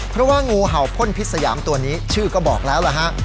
เพราะว่างูเห่าพ่นพิษยามตัวนี้ชื่อก็บอกแล้วล่ะฮะ